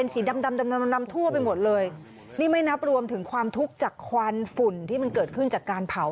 สีดำดำดำดำทั่วไปหมดเลยนี่ไม่นับรวมถึงความทุกข์จากควันฝุ่นที่มันเกิดขึ้นจากการเผา